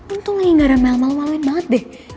untung gak ada mel malu maluin banget deh